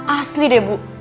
asli deh put